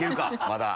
まだ。